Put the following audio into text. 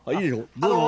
どうぞ。